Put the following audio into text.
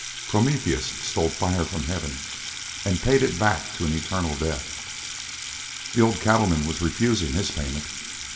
Prometheus stole fire from heaven and paid it back to an eternal death. The old cattleman was refusing his payment.